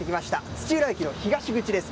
土浦駅の東口です。